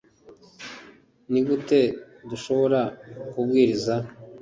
Ni gute dushobora kubwiriza